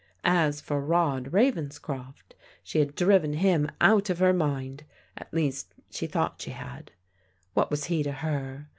As for Rod Ravenscroft, she had driven him out of her mind, at least she thought she had. What was he to her?